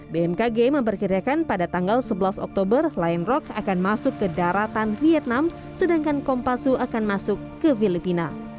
bmkg memperkirakan pada tanggal sebelas oktober lion rock akan masuk ke daratan vietnam sedangkan kompasu akan masuk ke filipina